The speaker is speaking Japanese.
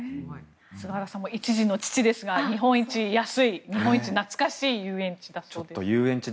菅原さんも１児の父ですが日本一安い遊園地だそうです。